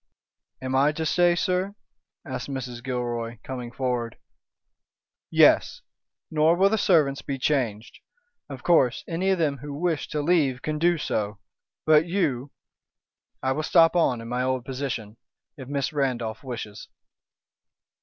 "Am I to stay, sir?" asked Mrs. Gilroy, coming forward. "Yes! nor will the servants be changed. Of course, any of them who wish to leave can do so. But you " "I will stop on in my old position, if Miss Randolph wishes."